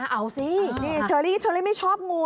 เอาสินี่เชอรี่ไม่ชอบงู